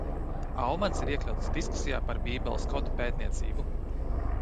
Aumans ir iekļauts diskusijā par Bībeles kodu pētniecību.